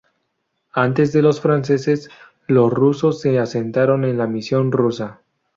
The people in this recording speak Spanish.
Antes de los franceses, los rusos se asentaron en la Misión Rusa.